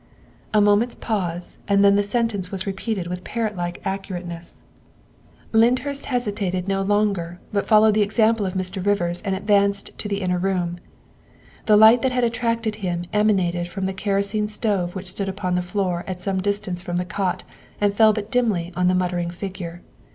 '' A moment 's pause, and the sentence was repeated with parrot like accurateness. 248 THE WIFE OF Lyndhursi hesitated no longer, but followed the ex ample of Mr. Rivers and advanced to the inner room. The light that had attracted him emanated from the kerosene stove which stood upon the floor at some dis tance from the cot and fell but dimly upon the mutter ing figure.